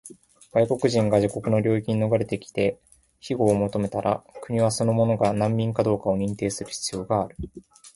外国人が自国の領域に逃れてきて庇護を求めたら、国はその者が難民かどうかを認定する必要がある。